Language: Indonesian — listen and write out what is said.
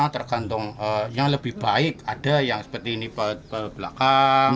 tergantung yang lebih baik ada yang seperti ini ke belakang